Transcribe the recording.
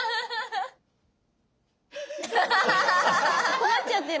困っちゃってる。